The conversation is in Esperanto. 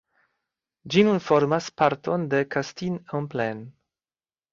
Ĝi nun formas parton de Castine-en-Plaine.